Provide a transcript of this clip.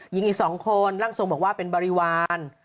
หญิงอีก๒คนร่างทรงบอกว่าเป็นบริวาร